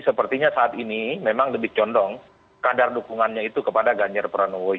sepertinya saat ini memang lebih condong kadar dukungannya itu kepada ganjar pranowo